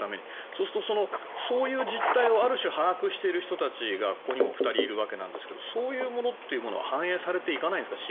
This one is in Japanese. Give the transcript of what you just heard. そうするとそういう実態をある種、把握している人たちがここにも２人いるわけなんですがそういうものは反映されていかないんですか？